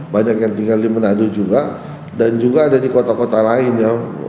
banyak yang tinggal di menado juga dan juga ada di kota kota lain ya